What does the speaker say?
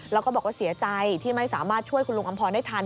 แล้วก็บอกว่าเสียใจที่ไม่สามารถช่วยคุณลุงอำพรได้ทัน